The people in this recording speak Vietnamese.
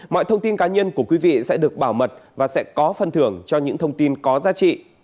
mọi thông tin cá nhân của quý vị sẽ được bảo mật và sẽ có phần thưởng cho những thông tin có giá trị